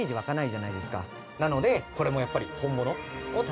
なのでこれもやっぱり。